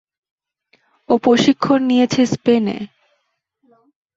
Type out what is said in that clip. ও প্রশিক্ষণ নিয়েছে স্পেনে।